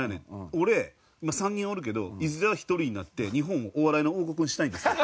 俺今３人おるけどいずれは１人になって日本をお笑いの王国にしたいんですって。